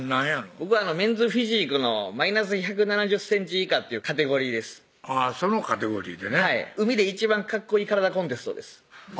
僕はメンズフィジークのマイナス１７０ｃｍ以下っていうカテゴリーですそのカテゴリーでねはい海で一番かっこいい体コンテストです